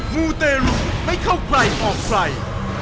มูเตรุไม่เข้าใครออกใคร